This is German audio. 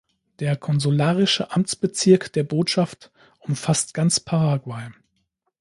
Der konsularische Amtsbezirk der Botschaft umfasst ganz Paraguay.